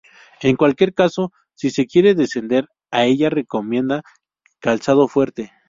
En cualquier caso, si se quiere descender a ella se recomienda calzado fuerte.